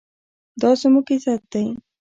دا زموږ عزت دی